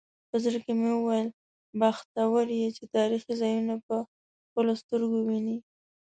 په زړه کې مې وویل بختور یې چې تاریخي ځایونه په خپلو سترګو وینې.